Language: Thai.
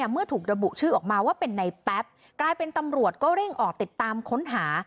เมื่อถูกระบุชื่อออกมาว่าเป็นในแป๊บกลายเป็นตำรวจก็เร่งออกติดตามค้นหา